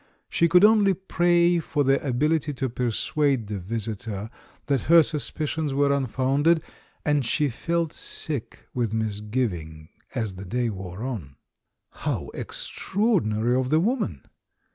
She could only pray for the ability to persuade the visitor that her suspicions were unfounded, and she felt sick with misgiving as the day wore on. How extraordinarv of the woman!